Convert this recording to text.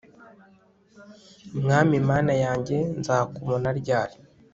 mwami mana yanjye nzakubona ryari